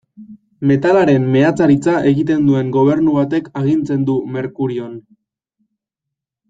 Metalaren meatzaritza egiten duen gobernu batek agintzen du Merkurion.